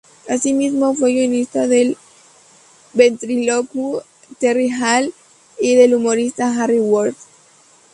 Así mismo, fue guionista del ventrílocuo Terry Hall y del humorista Harry Worth.